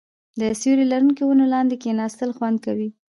د سیوري لرونکو ونو لاندې کیناستل خوند کوي.